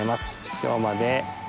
今日まで」